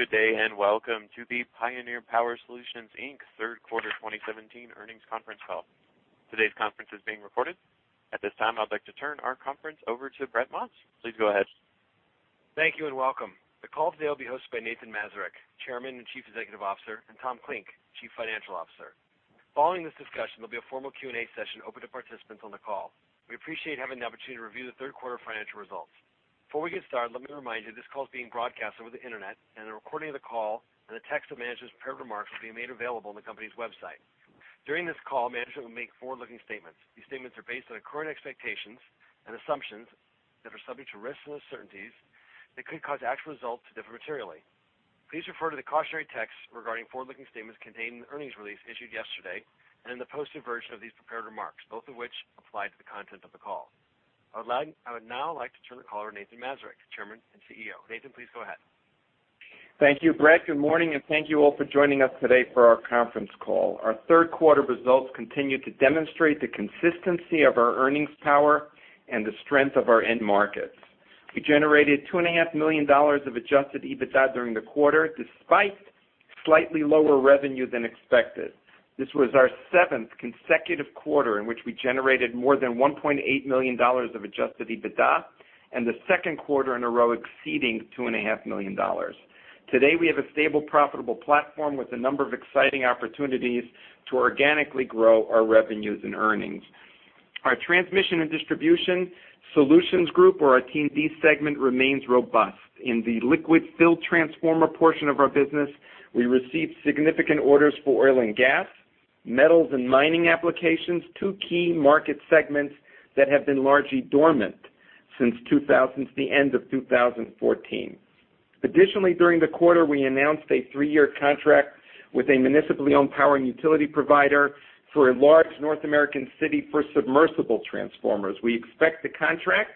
Good day, and welcome to the Pioneer Power Solutions Inc. Third Quarter 2017 Earnings Conference Call. Today's conference is being recorded. At this time, I'd like to turn our conference over to Brett Maas. Please go ahead. Thank you, and welcome. The call today will be hosted by Nathan Mazurek, Chairman and Chief Executive Officer, and Thomas Klink, Chief Financial Officer. Following this discussion, there'll be a formal Q&A session open to participants on the call. We appreciate having the opportunity to review the third quarter financial results. Before we get started, let me remind you, this call is being broadcast over the internet, and a recording of the call and the text of management's prepared remarks will be made available on the company's website. During this call, management will make forward-looking statements. These statements are based on our current expectations and assumptions that are subject to risks and uncertainties that could cause actual results to differ materially. Please refer to the cautionary text regarding forward-looking statements contained in the earnings release issued yesterday and in the posted version of these prepared remarks, both of which apply to the content of the call. I would now like to turn the call over to Nathan Mazurek, Chairman and CEO. Nathan, please go ahead. Thank you, Brett. Good morning, and thank you all for joining us today for our conference call. Our third quarter results continue to demonstrate the consistency of our earnings power and the strength of our end markets. We generated $2.5 million of Adjusted EBITDA during the quarter, despite slightly lower revenue than expected. This was our seventh consecutive quarter in which we generated more than $1.8 million of Adjusted EBITDA and the second quarter in a row exceeding $2.5 million. Today, we have a stable, profitable platform with a number of exciting opportunities to organically grow our revenues and earnings. Our Transmission and Distribution Solutions group, or our T&D segment, remains robust. In the liquid-filled transformer portion of our business, we received significant orders for oil and gas, metals, and mining applications, two key market segments that have been largely dormant since the end of 2014. Additionally, during the quarter, we announced a three-year contract with a municipally-owned power and utility provider for a large North American city for submersible transformers. We expect the contract,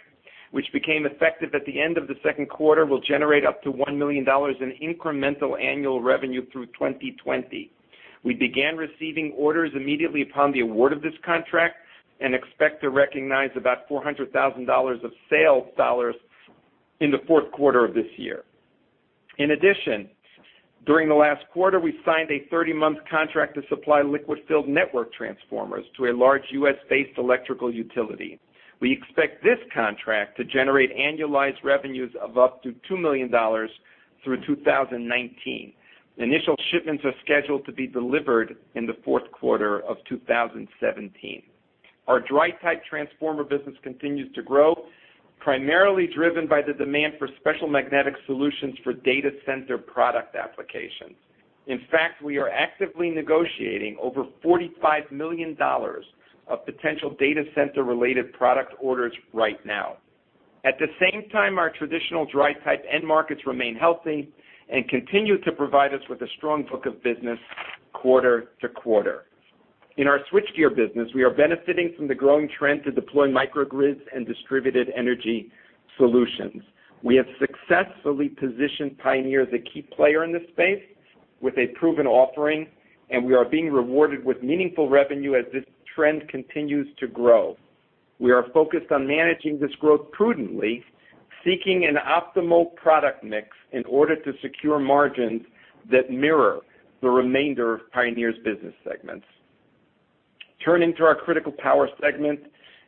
which became effective at the end of the second quarter, will generate up to $1 million in incremental annual revenue through 2020. We began receiving orders immediately upon the award of this contract and expect to recognize about $400,000 of sales dollars in the fourth quarter of this year. In addition, during the last quarter, we signed a 30-month contract to supply liquid-filled network transformers to a large U.S.-based electrical utility. We expect this contract to generate annualized revenues of up to $2 million through 2019. Initial shipments are scheduled to be delivered in the fourth quarter of 2017. Our dry-type transformer business continues to grow, primarily driven by the demand for special magnetic solutions for data center product applications. In fact, we are actively negotiating over $45 million of potential data center-related product orders right now. At the same time, our traditional dry-type end markets remain healthy and continue to provide us with a strong book of business quarter to quarter. In our switchgear business, we are benefiting from the growing trend to deploy microgrids and distributed energy solutions. We have successfully positioned Pioneer as a key player in this space with a proven offering, and we are being rewarded with meaningful revenue as this trend continues to grow. We are focused on managing this growth prudently, seeking an optimal product mix in order to secure margins that mirror the remainder of Pioneer's business segments. Turning to our critical power segment,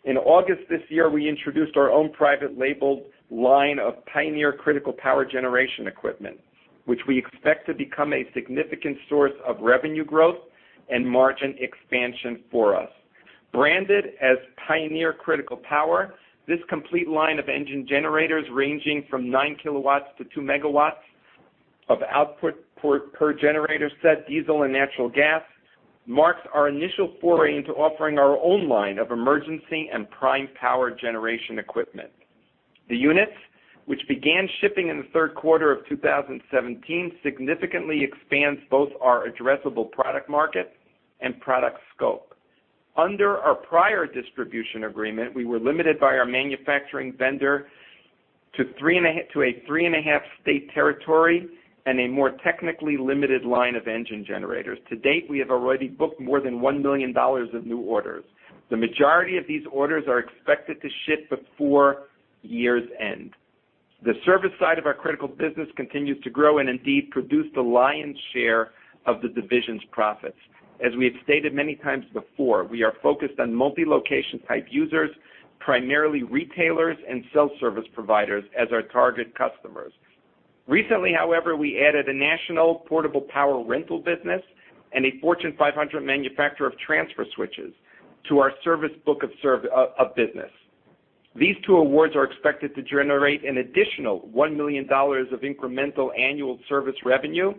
in August this year, we introduced our own private-labeled line of Pioneer critical power generation equipment, which we expect to become a significant source of revenue growth and margin expansion for us. Branded as Pioneer Critical Power, this complete line of engine generators ranging from nine kilowatts to two megawatts of output per generator set, diesel and natural gas, marks our initial foray into offering our own line of emergency and prime power generation equipment. The units, which began shipping in the third quarter of 2017, significantly expands both our addressable product market and product scope. Under our prior distribution agreement, we were limited by our manufacturing vendor to a three-and-a-half state territory and a more technically limited line of engine generators. To date, we have already booked more than $1 million of new orders. The majority of these orders are expected to ship before year's end. The service side of our critical business continues to grow and indeed produced the lion's share of the division's profits. As we have stated many times before, we are focused on multi-location type users, primarily retailers and self-service providers as our target customers. Recently, however, we added a national portable power rental business and a Fortune 500 manufacturer of transfer switches to our service book of business. These two awards are expected to generate an additional $1 million of incremental annual service revenue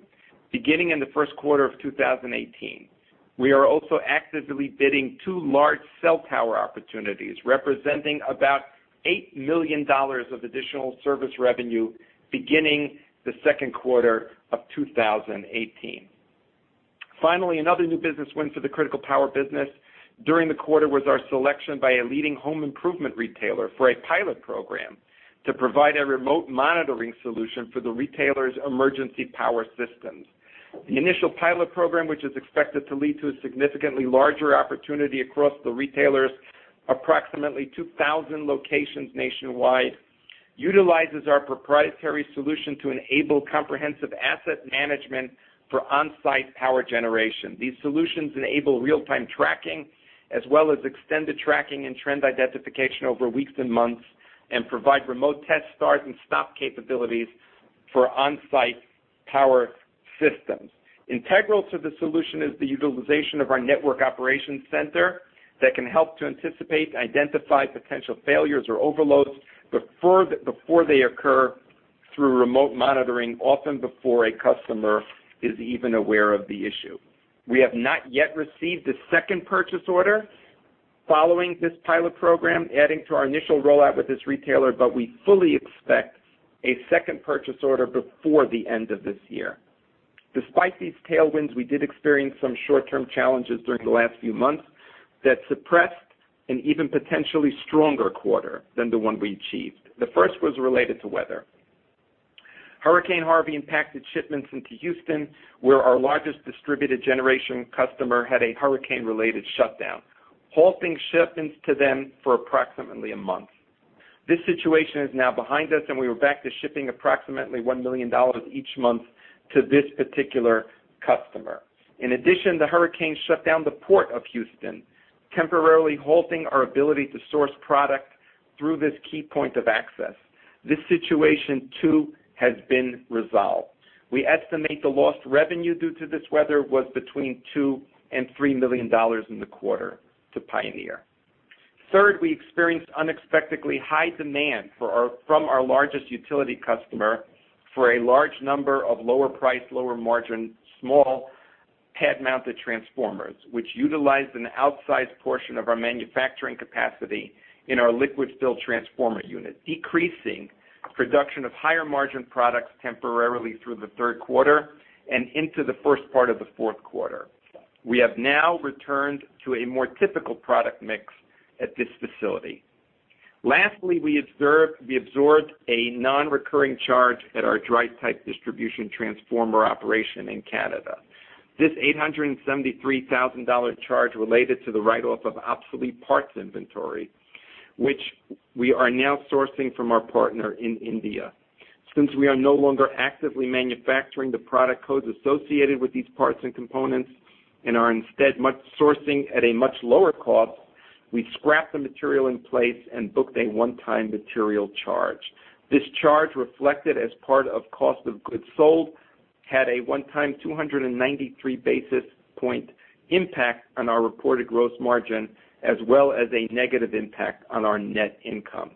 beginning in the first quarter of 2018. We are also actively bidding two large cell tower opportunities, representing about $8 million of additional service revenue beginning the second quarter of 2018. Another new business win for the critical power business during the quarter was our selection by a leading home improvement retailer for a pilot program to provide a remote monitoring solution for the retailer's emergency power systems. The initial pilot program, which is expected to lead to a significantly larger opportunity across the retailer's approximately 2,000 locations nationwide, utilizes our proprietary solution to enable comprehensive asset management for on-site power generation. These solutions enable real-time tracking, as well as extended tracking and trend identification over weeks and months, and provide remote test start and stop capabilities for on-site power systems. Integral to the solution is the utilization of our network operations center that can help to anticipate and identify potential failures or overloads before they occur through remote monitoring, often before a customer is even aware of the issue. We have not yet received a second purchase order following this pilot program, adding to our initial rollout with this retailer. We fully expect a second purchase order before the end of this year. Despite these tailwinds, we did experience some short-term challenges during the last few months that suppressed an even potentially stronger quarter than the one we achieved. The first was related to weather. Hurricane Harvey impacted shipments into Houston, where our largest distributed generation customer had a hurricane-related shutdown, halting shipments to them for approximately a month. This situation is now behind us, and we are back to shipping approximately $1 million each month to this particular customer. In addition, the hurricane shut down the Port of Houston, temporarily halting our ability to source product through this key point of access. This situation, too, has been resolved. We estimate the lost revenue due to this weather was between $2 million and $3 million in the quarter to Pioneer. Third, we experienced unexpectedly high demand from our largest utility customer for a large number of lower-price, lower-margin, small pad-mounted transformers, which utilized an outsized portion of our manufacturing capacity in our liquid-filled transformer unit, decreasing production of higher-margin products temporarily through the third quarter and into the first part of the fourth quarter. We have now returned to a more typical product mix at this facility. Lastly, we absorbed a non-recurring charge at our dry-type distribution transformer operation in Canada. This $873,000 charge related to the write-off of obsolete parts inventory, which we are now sourcing from our partner in India. Since we are no longer actively manufacturing the product codes associated with these parts and components and are instead sourcing at a much lower cost, we scrapped the material in place and booked a one-time material charge. This charge, reflected as part of cost of goods sold, had a one-time 293 basis point impact on our reported gross margin, as well as a negative impact on our net income.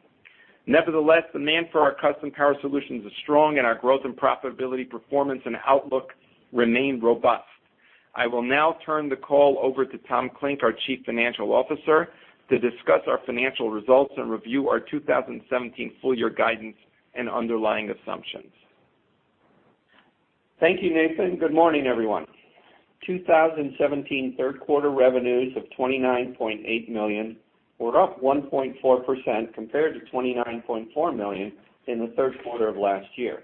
Demand for our custom power solutions is strong, and our growth and profitability performance and outlook remain robust. I will now turn the call over to Tom Klink, our Chief Financial Officer, to discuss our financial results and review our 2017 full-year guidance and underlying assumptions. Thank you, Nathan. Good morning, everyone. 2017 third-quarter revenues of $29.8 million were up 1.4% compared to $29.4 million in the third quarter of last year.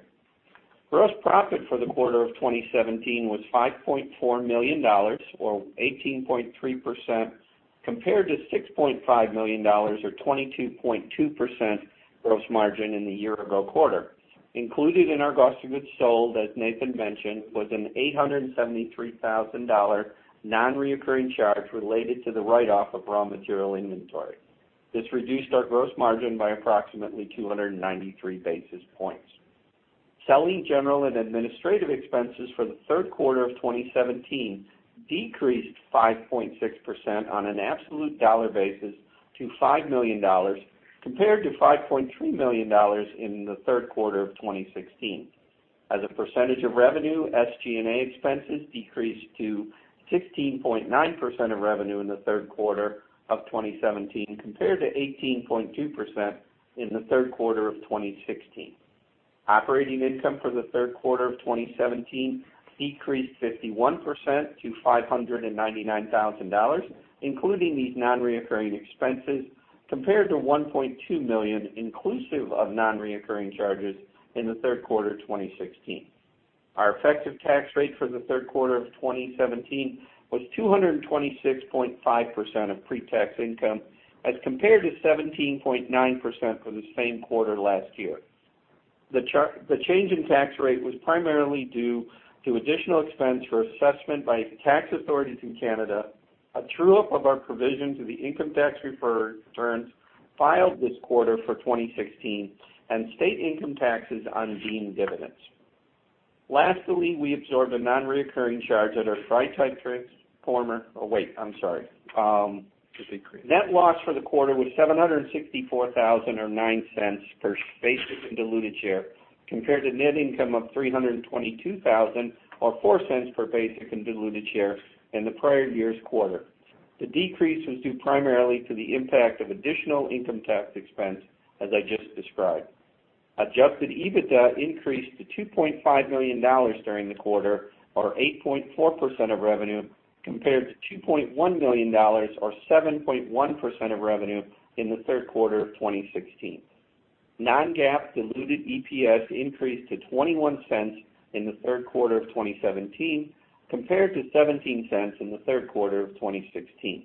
Gross profit for the quarter of 2017 was $5.4 million, or 18.3%, compared to $6.5 million, or 22.2% gross margin in the year-ago quarter. Included in our cost of goods sold, as Nathan mentioned, was an $873,000 non-recurring charge related to the write-off of raw material inventory. This reduced our gross margin by approximately 293 basis points. Selling, general, and administrative expenses for the third quarter of 2017 decreased 5.6% on an absolute dollar basis to $5 million, compared to $5.3 million in the third quarter of 2016. As a percentage of revenue, SG&A expenses decreased to 16.9% of revenue in the third quarter of 2017, compared to 18.2% in the third quarter of 2016. Operating income for the third quarter of 2017 decreased 51% to $599,000, including these non-recurring expenses, compared to $1.2 million inclusive of non-recurring charges in the third quarter 2016. Our effective tax rate for the third quarter of 2017 was 226.5% of pre-tax income as compared to 17.9% for the same quarter last year. The change in tax rate was primarily due to additional expense for assessment by tax authorities in Canada, a true-up of our provision to the income tax returns filed this quarter for 2016, and state income taxes on deemed dividends. Lastly, we absorbed a non-recurring charge at our dry-type transformer-- Oh, wait. I'm sorry. Net loss for the quarter was $764,000 or $0.09 per basic and diluted share, compared to net income of $322,000 or $0.04 per basic and diluted share in the prior year's quarter. The decrease was due primarily to the impact of additional income tax expense, as I just described. Adjusted EBITDA increased to $2.5 million during the quarter, or 8.4% of revenue, compared to $2.1 million or 7.1% of revenue in the third quarter of 2016. Non-GAAP diluted EPS increased to $0.21 in the third quarter of 2017, compared to $0.17 in the third quarter of 2016.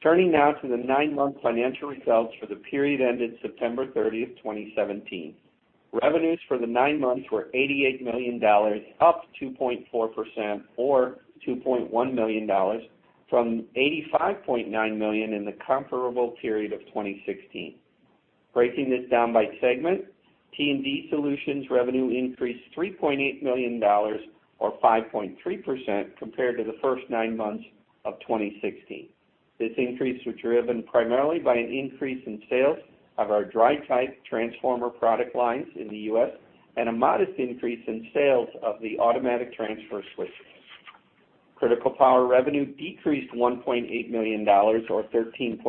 Turning now to the nine-month financial results for the period ended September 30th, 2017. Revenues for the nine months were $88 million, up 2.4% or $2.1 million from $85.9 million in the comparable period of 2016. Breaking this down by segment, T&D Solutions revenue increased $3.8 million or 5.3% compared to the first nine months of 2016. This increase was driven primarily by an increase in sales of our dry-type transformer product lines in the U.S., and a modest increase in sales of the automatic transfer switches. Critical power revenue decreased $1.8 million or 13.2%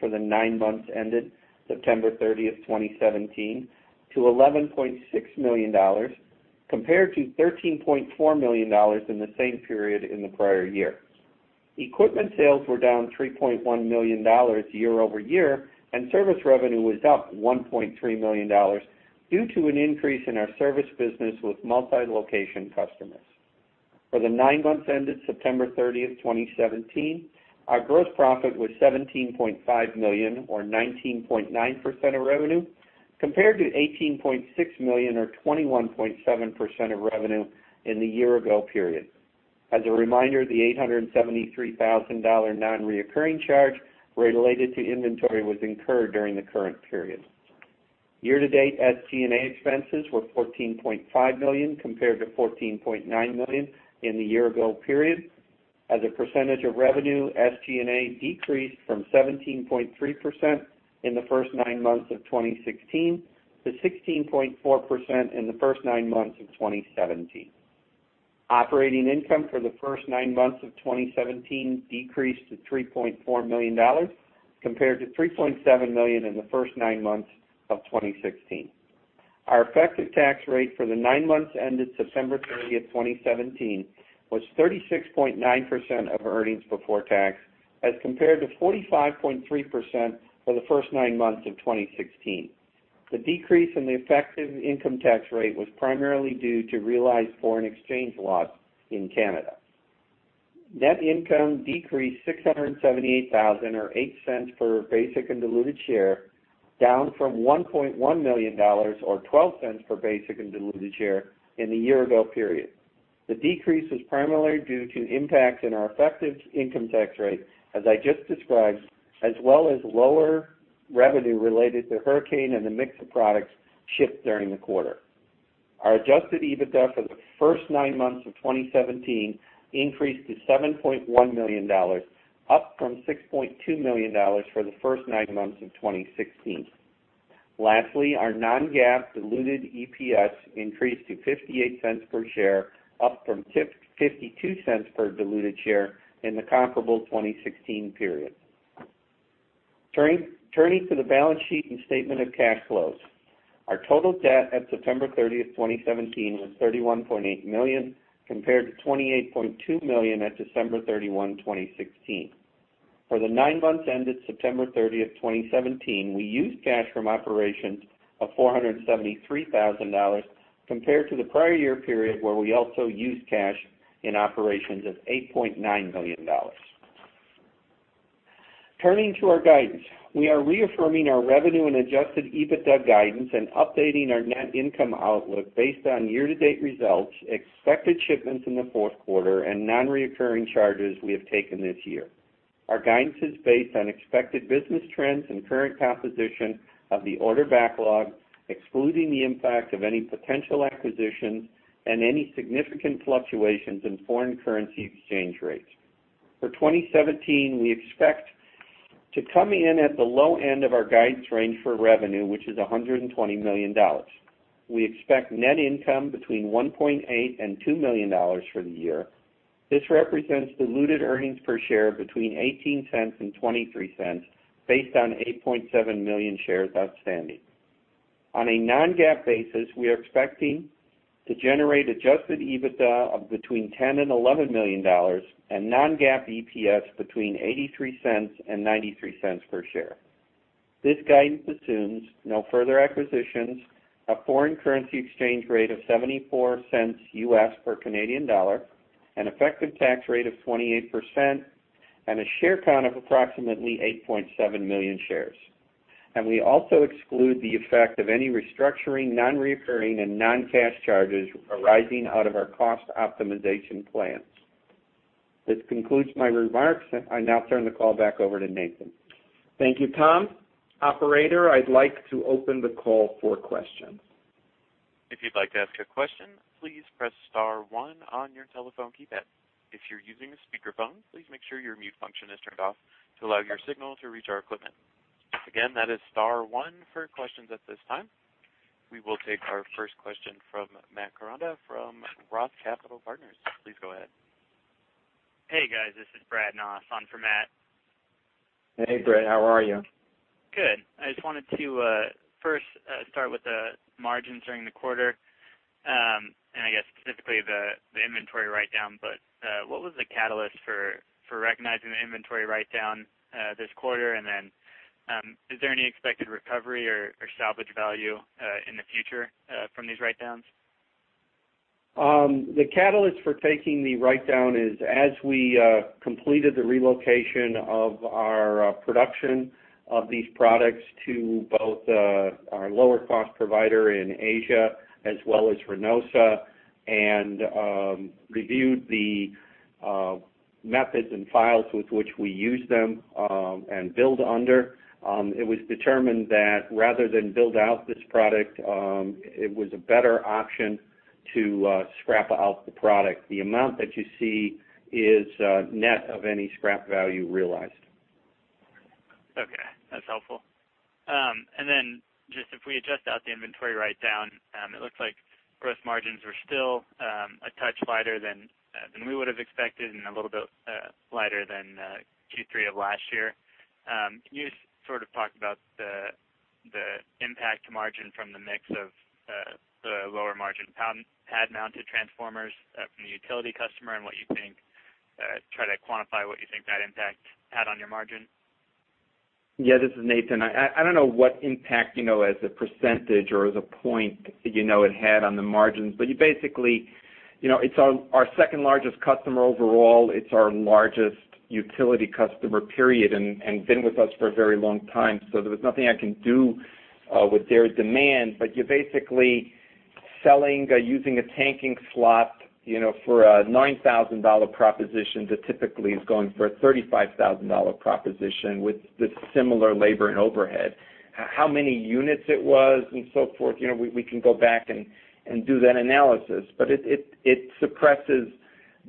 for the nine months ended September 30th, 2017 to $11.6 million, compared to $13.4 million in the same period in the prior year. Equipment sales were down $3.1 million year-over-year, and service revenue was up $1.3 million due to an increase in our service business with multi-location customers. For the nine months ended September 30th, 2017, our gross profit was $17.5 million or 19.9% of revenue, compared to $18.6 million or 21.7% of revenue in the year-ago period. As a reminder, the $873,000 non-recurring charge related to inventory was incurred during the current period. Year-to-date, SG&A expenses were $14.5 million compared to $14.9 million in the year-ago period. As a percentage of revenue, SG&A decreased from 17.3% in the first nine months of 2016 to 16.4% in the first nine months of 2017. Operating income for the first nine months of 2017 decreased to $3.4 million compared to $3.7 million in the first nine months of 2016. Our effective tax rate for the nine months ended September 30th, 2017 was 36.9% of earnings before tax as compared to 45.3% for the first nine months of 2016. The decrease in the effective income tax rate was primarily due to realized foreign exchange loss in Canada. Net income decreased $678,000 or $0.08 per basic and diluted share, down from $1.1 million or $0.12 per basic and diluted share in the year ago period. The decrease was primarily due to impacts in our effective income tax rate as I just described, as well as lower revenue related to hurricane and the mix of products shipped during the quarter. Our Adjusted EBITDA for the first nine months of 2017 increased to $7.1 million, up from $6.2 million for the first nine months of 2016. Lastly, our non-GAAP diluted EPS increased to $0.58 per share, up from $0.52 per diluted share in the comparable 2016 period. Turning to the balance sheet and statement of cash flows. Our total debt at September 30th, 2017 was $31.8 million compared to $28.2 million at December 31, 2016. For the nine months ended September 30th, 2017, we used cash from operations of $473,000 compared to the prior year period where we also used cash in operations of $8.9 million. Turning to our guidance. We are reaffirming our revenue and Adjusted EBITDA guidance and updating our net income outlook based on year-to-date results, expected shipments in the fourth quarter, and non-recurring charges we have taken this year. Our guidance is based on expected business trends and current composition of the order backlog, excluding the impact of any potential acquisitions and any significant fluctuations in foreign currency exchange rates. For 2017, we expect to come in at the low end of our guidance range for revenue, which is $120 million. We expect net income between $1.8 and $2 million for the year. This represents diluted earnings per share of between $0.18 and $0.23 based on 8.7 million shares outstanding. On a non-GAAP basis, we are expecting to generate Adjusted EBITDA of between $10 and $11 million and non-GAAP EPS between $0.83 and $0.93 per share. This guidance assumes no further acquisitions, a foreign currency exchange rate of $0.74 per CAD, an effective tax rate of 28%, and a share count of approximately 8.7 million shares. We also exclude the effect of any restructuring, non-recurring, and non-cash charges arising out of our cost optimization plans. This concludes my remarks. I now turn the call back over to Nathan. Thank you, Tom. Operator, I'd like to open the call for questions. If you'd like to ask a question, please press star one on your telephone keypad. If you're using a speakerphone, please make sure your mute function is turned off to allow your signal to reach our equipment. Again, that is star one for questions at this time. We will take our first question from Matthew Koranda from Roth Capital Partners. Please go ahead. Hey, guys. This is Brad Hnatt on for Matt. Hey, Brad. How are you? Good. I just wanted to first start with the margins during the quarter. Specifically the inventory write-down, what was the catalyst for recognizing the inventory write-down this quarter? Is there any expected recovery or salvage value in the future from these write-downs? The catalyst for taking the write-down is as we completed the relocation of our production of these products to both our lower cost provider in Asia as well as Reynosa, and reviewed the methods and files with which we use them and build under, it was determined that rather than build out this product, it was a better option to scrap out the product. The amount that you see is net of any scrap value realized. Okay, that's helpful. Just if we adjust out the inventory write-down, it looks like gross margins were still a touch lighter than we would have expected and a little bit lighter than Q3 of last year. Can you sort of talk about the impact to margin from the mix of the lower margin pad-mounted transformers from the utility customer and try to quantify what you think that impact had on your margin? Yeah, this is Nathan. I don't know what impact, as a percentage or as a point, it had on the margins. It's our second largest customer overall. It's our largest utility customer, period, and been with us for a very long time. There was nothing I can do with their demand. You're basically selling using a tanking slot for a $9,000 proposition that typically is going for a $35,000 proposition with similar labor and overhead. How many units it was and so forth, we can go back and do that analysis, but it suppresses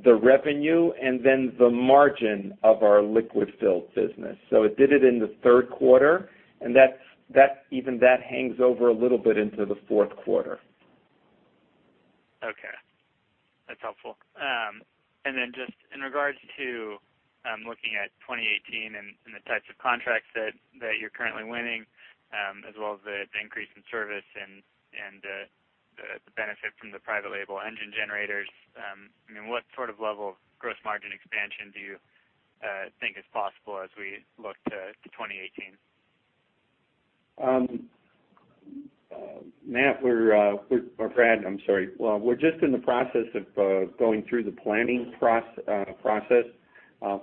the revenue and then the margin of our liquid-filled business. It did it in the third quarter, and even that hangs over a little bit into the fourth quarter. Okay. That's helpful. Just in regards to looking at 2018 and the types of contracts that you're currently winning, as well as the increase in service and the benefit from the private label engine-generators, what sort of level of gross margin expansion do you think is possible as we look to 2018? Matt, we're or Brad, I'm sorry. Well, we're just in the process of going through the planning process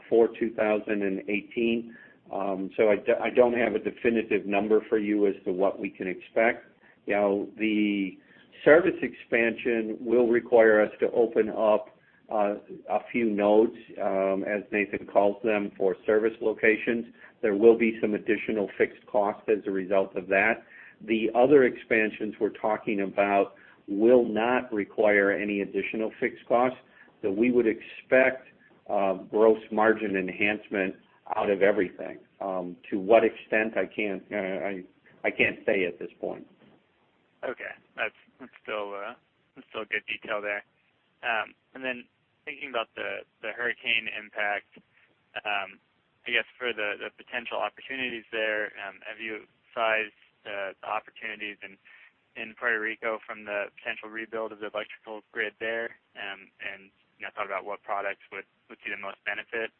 for 2018. I don't have a definitive number for you as to what we can expect. The service expansion will require us to open up a few nodes, as Nathan calls them, for service locations. There will be some additional fixed costs as a result of that. The other expansions we're talking about will not require any additional fixed costs. We would expect gross margin enhancement out of everything. To what extent? I can't say at this point. Okay. That's still good detail there. Thinking about the hurricane impact, I guess for the potential opportunities there, have you sized the opportunities in Puerto Rico from the potential rebuild of the electrical grid there, and thought about what products would see the most benefit?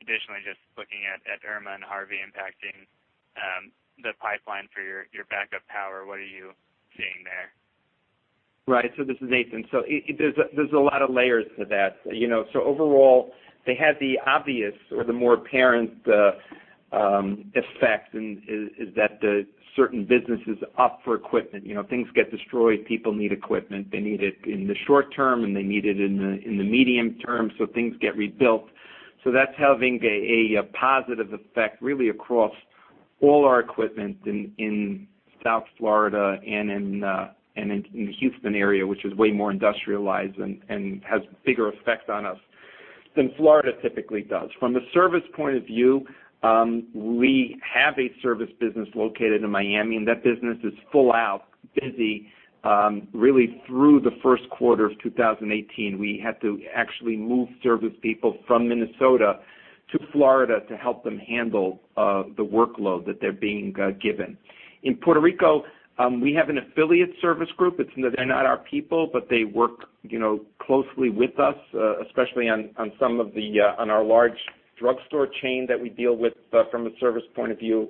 Additionally, just looking at Hurricane Irma and Hurricane Harvey impacting the pipeline for your backup power, what are you seeing there? Right. This is Nathan. There's a lot of layers to that. Overall, they had the obvious or the more apparent effect is that the certain business is up for equipment. Things get destroyed, people need equipment. They need it in the short term, and they need it in the medium term, so things get rebuilt. That's having a positive effect really across all our equipment in South Florida and in the Houston area, which is way more industrialized and has bigger effects on us than Florida typically does. From a service point of view, we have a service business located in Miami, and that business is full out busy, really through the first quarter of 2018. We had to actually move service people from Minnesota to Florida to help them handle the workload that they're being given. In Puerto Rico, we have an affiliate service group. They're not our people, but they work closely with us, especially on our large drugstore chain that we deal with from a service point of view.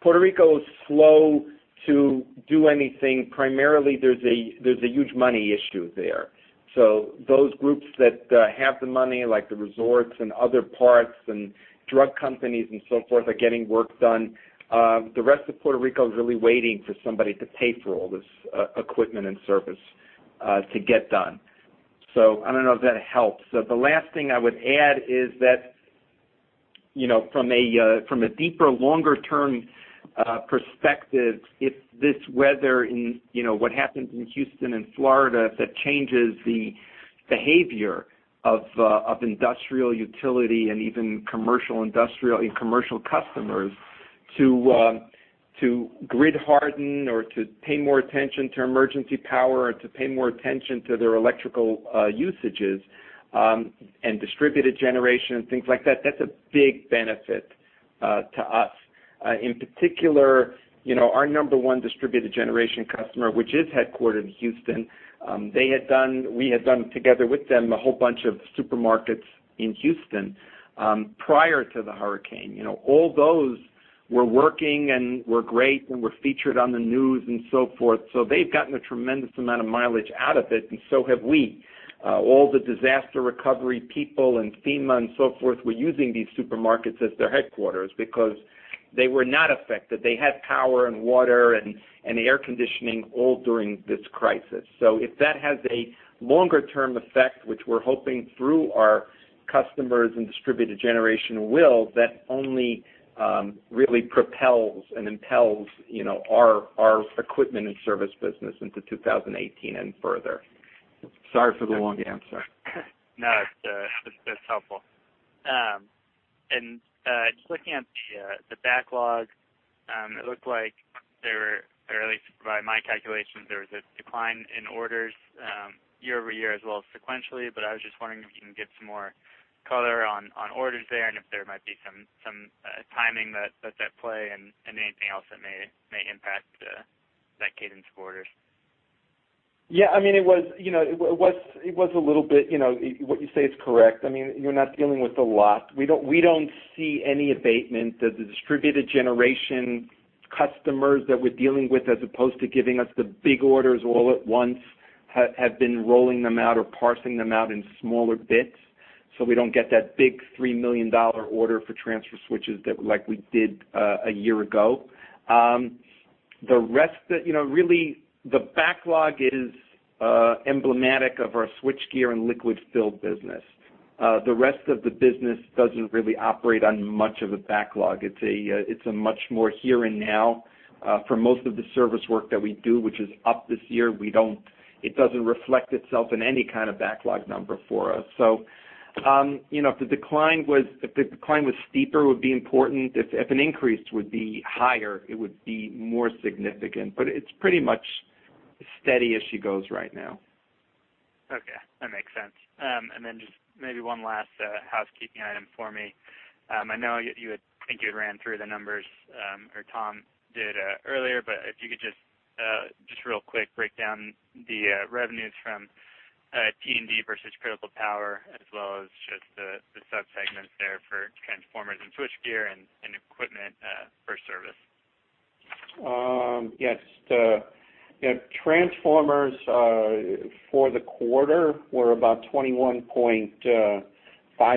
Puerto Rico is slow to do anything. Primarily, there's a huge money issue there. Those groups that have the money, like the resorts and other parts and drug companies and so forth, are getting work done. The rest of Puerto Rico is really waiting for somebody to pay for all this equipment and service to get done. I don't know if that helps. The last thing I would add is that from a deeper, longer-term perspective, if this weather in what happened in Houston and Florida, if that changes the behavior of industrial utility and even commercial industrial and commercial customers to grid harden or to pay more attention to emergency power and to pay more attention to their electrical usages and distributed generation and things like that's a big benefit. To us. In particular, our number one distributed generation customer, which is headquartered in Houston, we had done together with them a whole bunch of supermarkets in Houston prior to the hurricane. All those were working and were great and were featured on the news and so forth. They've gotten a tremendous amount of mileage out of it, and so have we. All the disaster recovery people and FEMA and so forth were using these supermarkets as their headquarters because they were not affected. They had power and water and air conditioning all during this crisis. If that has a longer-term effect, which we're hoping through our customers and distributed generation will, that only really propels and impels our equipment and service business into 2018 and further. Sorry for the long answer. No, it's helpful. Just looking at the backlog, it looked like, or at least by my calculations, there was a decline in orders year-over-year as well as sequentially. I was just wondering if you can give some more color on orders there, and if there might be some timing that's at play, and anything else that may impact that cadence of orders. Yeah. What you say is correct. You're not dealing with a lot. We don't see any abatement that the distributed generation customers that we're dealing with, as opposed to giving us the big orders all at once, have been rolling them out or parsing them out in smaller bits. We don't get that big $3 million order for transfer switches like we did a year ago. Really, the backlog is emblematic of our switchgear and liquid-filled business. The rest of the business doesn't really operate on much of a backlog. It's a much more here and now for most of the service work that we do, which is up this year. It doesn't reflect itself in any kind of backlog number for us. If the decline was steeper, it would be important. If an increase would be higher, it would be more significant. It's pretty much steady as she goes right now. Okay. That makes sense. Just maybe one last housekeeping item for me. I know, I think you had ran through the numbers, or Tom did earlier, if you could just real quick break down the revenues from T&D versus Critical Power, as well as just the subsegments there for transformers and switchgear and equipment for service. Yes. The transformers for the quarter were about $21.5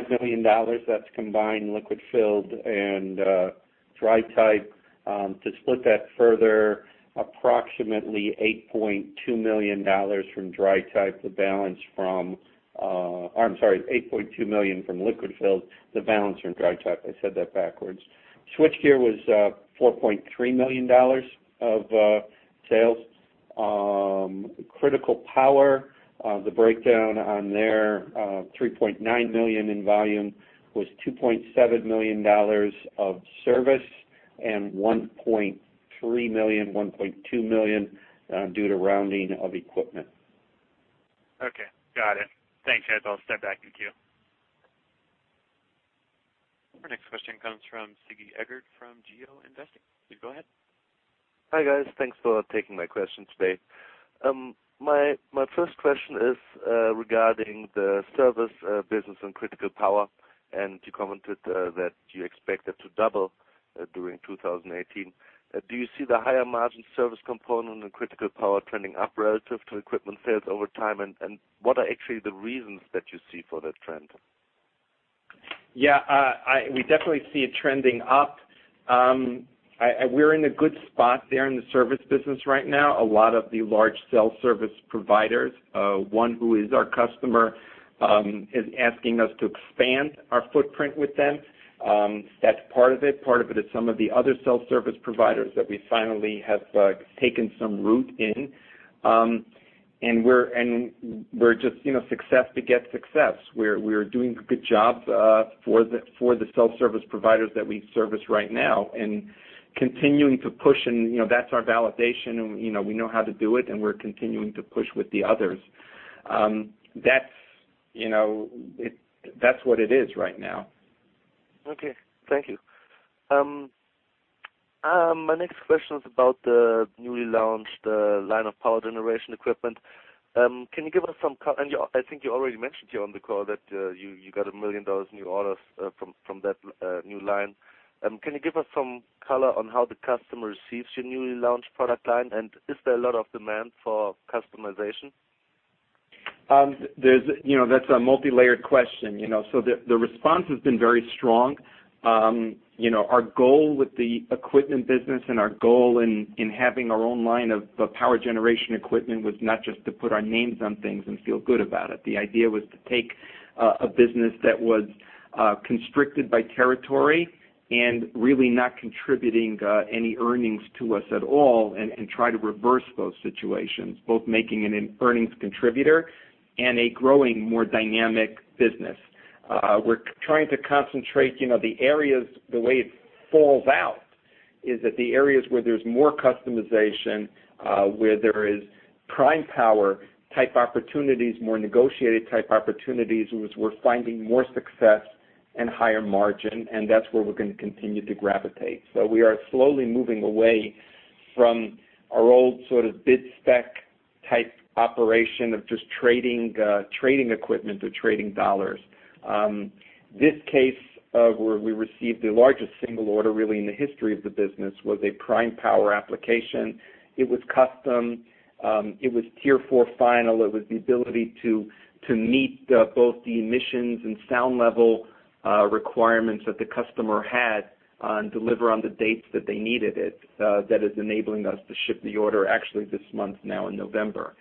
million. That's combined liquid-filled and dry-type. To split that further, approximately $8.2 million from dry-type. The balance from, I'm sorry, $8.2 million from liquid-filled, the balance from dry-type. I said that backwards. Switchgear was $4.3 million of sales. Critical Power, the breakdown on there, $3.9 million in volume, was $2.7 million of service and $1.3 million, $1.2 million due to rounding of equipment. Okay. Got it. Thanks, Nathan. I'll step back in queue. Our next question comes from Sigi Eggert from GeoInvesting. Please go ahead. Hi, guys. Thanks for taking my question today. My first question is regarding the service business and Critical Power. You commented that you expect that to double during 2018. Do you see the higher margin service component in Critical Power trending up relative to equipment sales over time? What are actually the reasons that you see for that trend? Yeah. We definitely see it trending up. We're in a good spot there in the service business right now. A lot of the large cell service providers, one who is our customer, is asking us to expand our footprint with them. That's part of it. Part of it is some of the other cell service providers that we finally have taken some root in. We're just success begets success. We're doing a good job for the cell service providers that we service right now, and continuing to push, and that's our validation, and we know how to do it, and we're continuing to push with the others. That's what it is right now. Okay. Thank you. My next question is about the newly launched line of power generation equipment. I think you already mentioned here on the call that you got $1 million in new orders from that new line. Can you give us some color on how the customer receives your newly launched product line? Is there a lot of demand for customization? That's a multilayered question. The response has been very strong. Our goal with the equipment business and our goal in having our own line of power generation equipment was not just to put our names on things and feel good about it. The idea was to take a business that was constricted by territory and really not contributing any earnings to us at all, and try to reverse those situations, both making it an earnings contributor and a growing, more dynamic business. We're trying to concentrate the areas, the way it falls out is that the areas where there's more customization, where there is prime power type opportunities, more negotiated type opportunities, we're finding more success and higher margin, and that's where we're going to continue to gravitate. We are slowly moving away from our old sort of bid spec type operation of just trading equipment or trading dollars. This case, where we received the largest single order really in the history of the business, was a prime power application. It was custom, it was Tier 4 Final, it was the ability to meet both the emissions and sound level requirements that the customer had and deliver on the dates that they needed it, that is enabling us to ship the order actually this month now in November.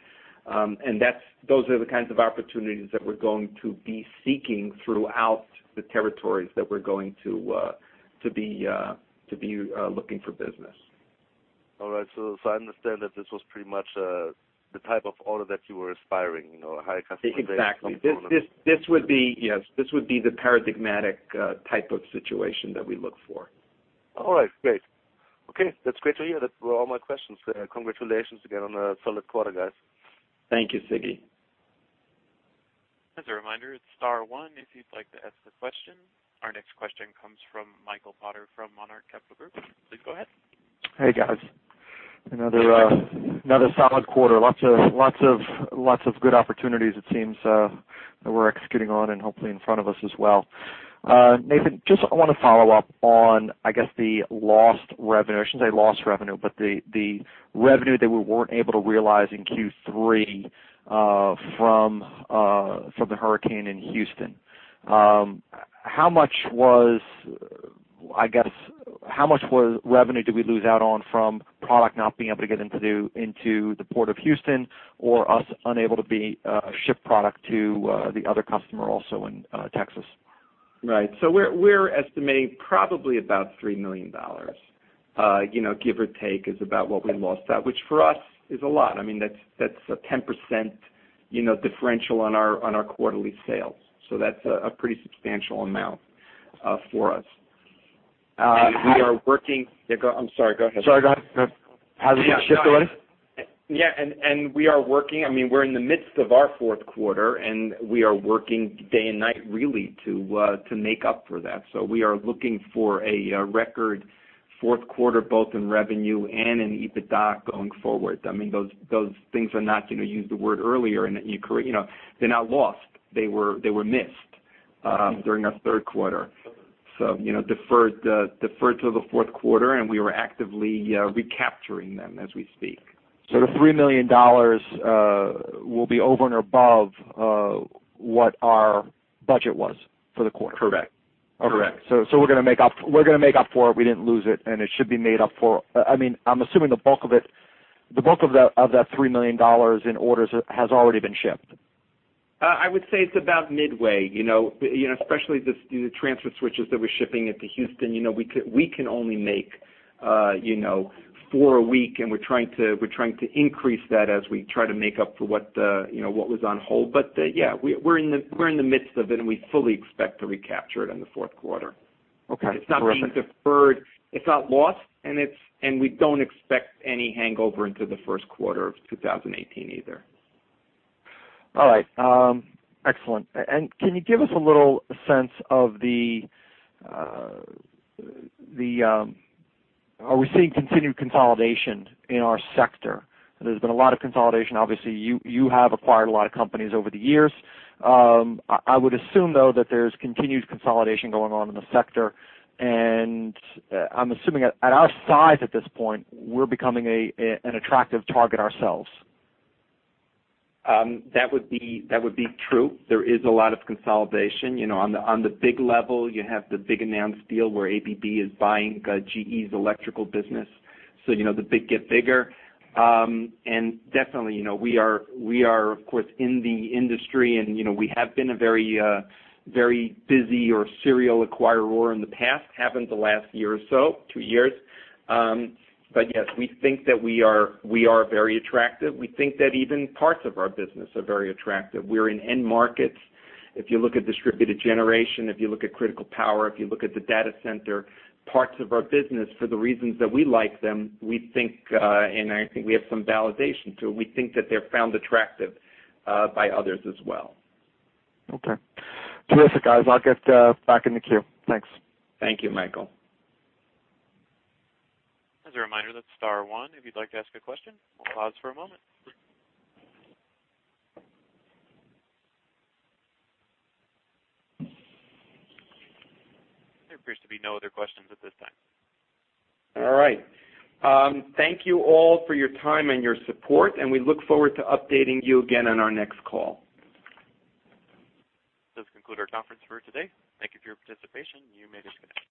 Those are the kinds of opportunities that we're going to be seeking throughout the territories that we're going to be looking for business. All right. I understand that this was pretty much the type of order that you were aspiring, higher customization. Exactly. This would be the paradigmatic type of situation that we look for. All right, great. Okay, that's great to hear. Those were all my questions. Congratulations again on a solid quarter, guys. Thank you, Siggy. As a reminder, it's star one if you'd like to ask a question. Our next question comes from Michael Potter from Monarch Capital Group. Please go ahead. Hey, guys. Another solid quarter. Lots of good opportunities it seems that we're executing on and hopefully in front of us as well. Nathan, I want to follow up on, I guess, the lost revenue. I shouldn't say lost revenue, the revenue that we weren't able to realize in Q3 from the hurricane in Houston. How much revenue did we lose out on from product not being able to get into the Port of Houston or us unable to ship product to the other customer also in Texas? Right. We're estimating probably about $3 million, give or take, is about what we lost out, which for us is a lot. That's a 10% differential on our quarterly sales. That's a pretty substantial amount for us. I'm sorry, go ahead. Sorry, go ahead. Has it been shipped already? Yeah, we are working. We're in the midst of our fourth quarter, we are working day and night really to make up for that. We are looking for a record fourth quarter, both in revenue and in EBITDA going forward. Those things are not, to use the word earlier, they're not lost. They were missed during our third quarter. Deferred to the fourth quarter, we are actively recapturing them as we speak. The $3 million will be over and above what our budget was for the quarter? Correct. Okay. We're going to make up for it. We didn't lose it, and it should be made up for. I'm assuming the bulk of that $3 million in orders has already been shipped. I would say it's about midway, especially the transfer switches that we're shipping into Houston. We can only make four a week, and we're trying to increase that as we try to make up for what was on hold. Yeah, we're in the midst of it, and we fully expect to recapture it in the fourth quarter. Okay. Terrific. It's not being deferred. It's not lost. We don't expect any hangover into the first quarter of 2018 either. All right. Excellent. Can you give us a little sense of, are we seeing continued consolidation in our sector? There's been a lot of consolidation. Obviously, you have acquired a lot of companies over the years. I would assume, though, that there's continued consolidation going on in the sector, and I'm assuming at our size at this point, we're becoming an attractive target ourselves. That would be true. There is a lot of consolidation. On the big level, you have the big announced deal where ABB is buying GE's electrical business, so the big get bigger. Definitely, we are of course in the industry, and we have been a very busy or serial acquirer in the past. Haven't the last year or so, two years. Yes, we think that we are very attractive. We think that even parts of our business are very attractive. We're in end markets. If you look at distributed generation, if you look at critical power, if you look at the data center, parts of our business for the reasons that we like them, and I think we have some validation too, we think that they're found attractive by others as well. Okay. Terrific, guys. I'll get back in the queue. Thanks. Thank you, Michael. As a reminder, that's star one if you'd like to ask a question. We'll pause for a moment. There appears to be no other questions at this time. All right. Thank you all for your time and your support. We look forward to updating you again on our next call. This conclude our conference for today. Thank you for your participation. You may disconnect.